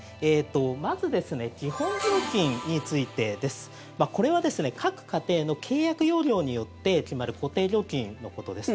まず基本料金についてです。これは各家庭の契約容量によって決まる固定料金のことです。